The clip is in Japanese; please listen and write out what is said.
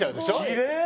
きれい！